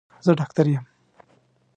زه ډاکټر يم.